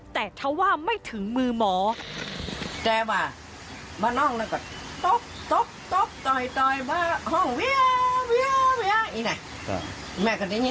แต่เท่าว่าไม่ถึงมือหมอ